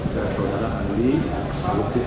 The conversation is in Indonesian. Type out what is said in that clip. dan saudara andi